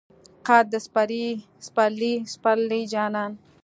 قد د سپرلی، سپرلی جانان